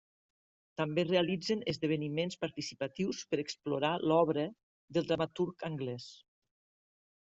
També realitzen esdeveniments participatius per explorar l'obra del dramaturg anglès.